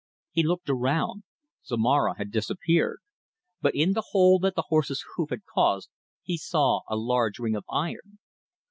He looked around; Zomara had disappeared, but in the hole that the horse's hoof had caused he saw a large ring of iron.